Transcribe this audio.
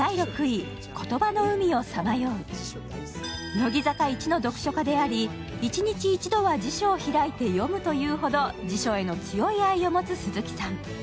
乃木坂一の読書家であり、一日一度は辞書を開いて読むというほど辞書への強い愛を持つ鈴木さん。